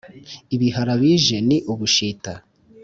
ibihara bije ni ubushita